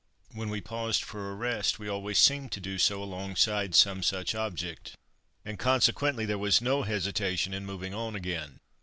When we paused for a rest we always seemed to do so alongside some such object, and consequently there was no hesitation in moving on again.